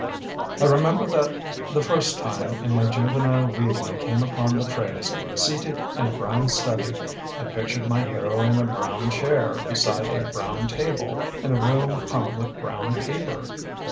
I remember that the first time in my juvenile reading I came upon the phrase, "seated in a brown study," I pictured my hero in a brown chair, beside a brown table, in a room hung with brown paper.